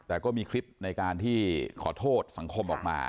แต่ก็มีคลิปในการที่ขอโทษสังคมออกมา